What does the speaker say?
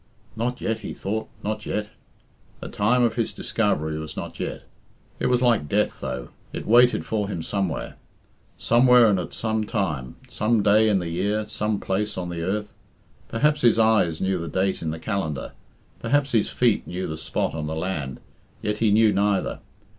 "Not yet," he thought, "not yet." The time of his discovery was not yet. It was like Death, though it waited for him somewhere. Somewhere and at some time some day in the year, some place on the earth. Perhaps his eyes knew the date in the calendar, perhaps his feet knew the spot on the land, yet he knew neither.